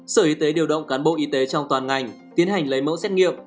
sở y tế điều động cán bộ y tế trong toàn ngành tiến hành lấy mẫu xét nghiệm